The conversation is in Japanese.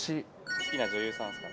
好きな女優さんっすかね。